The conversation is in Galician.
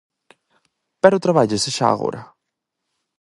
Pero trabállase xa agora?